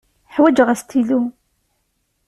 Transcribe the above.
Ḥwaǧeɣ astilu.